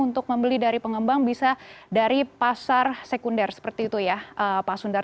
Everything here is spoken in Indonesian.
untuk membeli dari pengembang bisa dari pasar sekunder seperti itu ya pak sundar